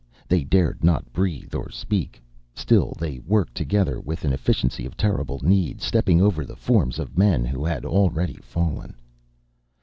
They dared not breathe or speak; still they worked together with an efficiency of terrible need, stepping over the forms of men who had already fallen.